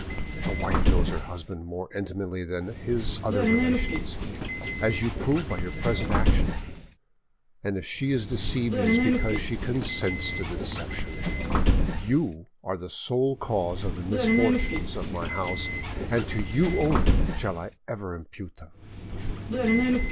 A wife knows her husband more intimately than his other relations, as you prove by your present action, and if she is deceived it is because she consents to the deception. You are the sole cause of the misfortunes of my house, and to you only shall I ever impute them."